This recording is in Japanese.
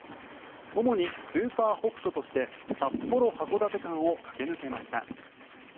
主にスーパー北斗として札幌函館間を駆け抜けました。